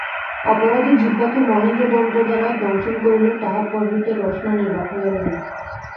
অপরাধী জিহ্বাকে মহেন্দ্র দন্ত দ্বারা দংশন করিল–তাহার পর হইতে রসনা নির্বাক হইয়া রহিল।